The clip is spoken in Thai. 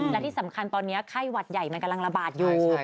และที่สำคัญตอนนี้ไข้หวัดใหญ่มันกำลังระบาดอยู่